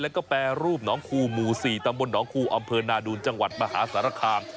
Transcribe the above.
แล้วก็แปรรูปหนองคูหมู่๔ตำบลหนองคูอำเภอนาดูนจังหวัดมหาสารคาม